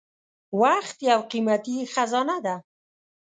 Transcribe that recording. • وخت یو قیمتي خزانه ده.